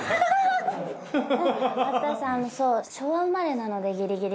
私そう昭和生まれなのでギリギリ。